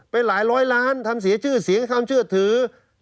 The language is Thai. หลายร้อยล้านทำเสียชื่อเสียงความเชื่อถือ